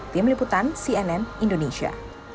tim liputan cnn indonesia